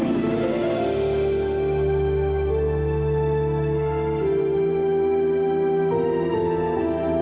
saya harap dia bisa mendapatkan cinta sama mas andre